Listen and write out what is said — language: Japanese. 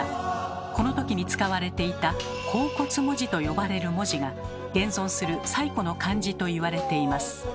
この時に使われていた「甲骨文字」と呼ばれる文字が現存する最古の漢字と言われています。